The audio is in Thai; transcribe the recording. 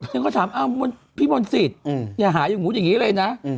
ทุ่งก็ถามอ้าวพี่มนศิษย์อย่าหาอย่างงู้นอย่างงี้เลยนะ